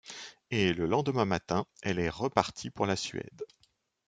Et le lendemain matin, elle est repartie pour la Suède.